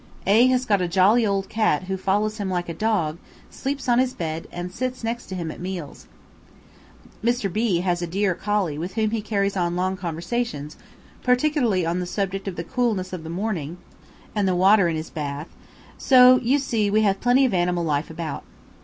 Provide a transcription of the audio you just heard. A has got a jolly old cat who follows him like a dog, sleeps on his bed, and sits next to him at meals. Mr. B has a dear colley with whom he carries on long conversations, particularly on the subject of the coolness of the morning and the water in his bath; so you see we have plenty of animal life about.